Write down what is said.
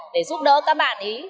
để giúp đỡ các bạn ấy